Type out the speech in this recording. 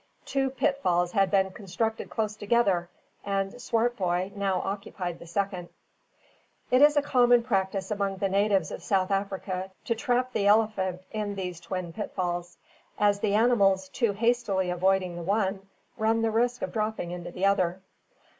Two pitfalls had been constructed close together, and Swartboy now occupied the second. It is a common practice among the natives of South Africa to trap the elephant in these twin pitfalls; as the animals, too hastily avoiding the one, run the risk of dropping into the other.